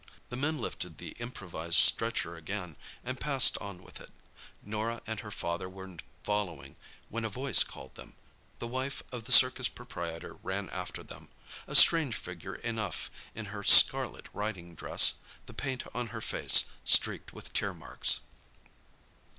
The men lifted the improvised stretcher again, and passed on with it. Norah and her father were following, when a voice called them. The wife of the circus proprietor ran after them—a strange figure enough, in her scarlet riding dress, the paint on her face streaked with tear marks.